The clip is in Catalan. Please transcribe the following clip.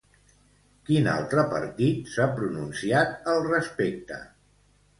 Quin altre partit s'ha pronunciat al respecte?